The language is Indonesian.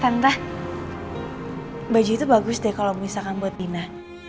tante baju itu bagus deh kalau misalkan buat dina